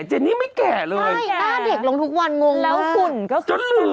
เจนนี่ไม่แก่เลยไม่ได้เด็กลงทุกวันงงมากแล้วขุนก็คือจนลืม